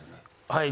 はい。